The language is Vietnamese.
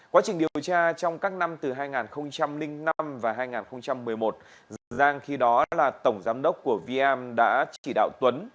quá trình điều tra trong các năm từ hai nghìn năm và hai nghìn một mươi một giang khi đó là tổng giám đốc của vm đã chỉ đạo tuấn